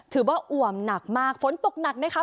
ถือว่าอว่ำหนักมากฝนตกหนักนะคะ